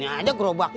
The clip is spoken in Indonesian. bae mau ikut gak